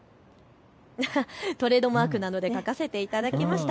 トレードマークなので描かせていただきました。